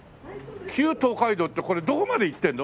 旧東海道ってこれどこまで行ってるの？